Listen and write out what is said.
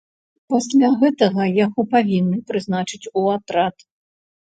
Пасля гэтага яго павінны прызначыць у атрад.